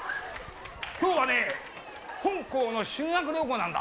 今日はね本校の修学旅行なんだ。